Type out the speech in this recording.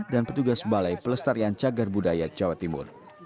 dan petugas balai pelestarian cagar budaya jawa timur